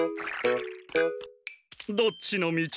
どっちのみち？